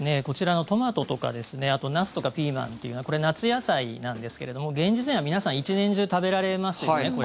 こちらのトマトとかあとナスとかピーマンというのはこれは夏野菜なんですけれども現実では皆さん１年中食べられますよね